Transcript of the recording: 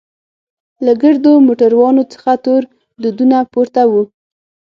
له ګردو موټرانوڅخه تور دودونه پورته وو.